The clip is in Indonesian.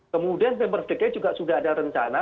kemudian pembers dg juga sudah ada rencana